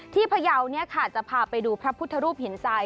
ที่พยาวนี้ค่ะจะพาไปดูพระพุทธธรูปเห็นทราย